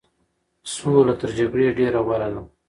سوله تر جګړې ډېره غوره ده.